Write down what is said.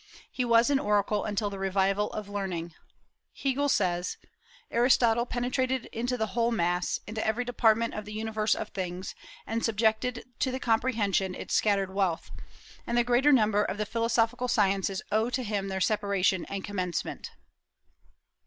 He was an oracle until the revival of learning. Hegel says: "Aristotle penetrated into the whole mass, into every department of the universe of things, and subjected to the comprehension its scattered wealth; and the greater number of the philosophical sciences owe to him their separation and commencement."